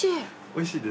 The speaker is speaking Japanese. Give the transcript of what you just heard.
おいしい。